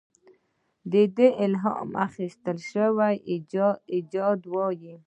دې ته الهام اخیستل شوی ایجاد وایي.